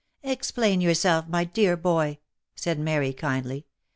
" Explain yourself, my dear boy," said Mary, kindly.